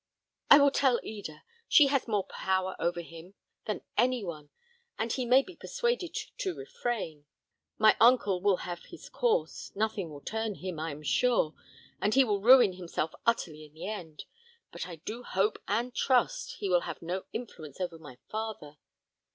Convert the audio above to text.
I will tell Eda. She has more power over him than any one, and he may be persuaded to refrain. My uncle will have his course; nothing will turn him, I am sure, and he will ruin himself utterly in the end; but I do hope and trust he will have no influence over my father.